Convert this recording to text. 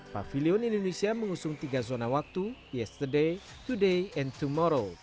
pavilion indonesia mengusung tiga zona waktu yesterday today and tomorrow